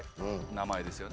名前ですよね。